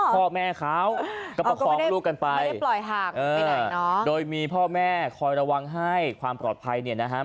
พ่อแม่เขาก็ประคองลูกกันไปโดยมีพ่อแม่คอยระวังให้ความปลอดภัยเนี่ยนะครับ